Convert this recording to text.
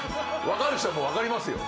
分かる人はもう分かりますよ。